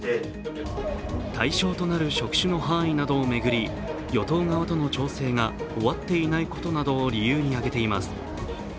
対象となる職種の範囲などを巡り与党側との調整が終わっていないことなどを理由に挙げています。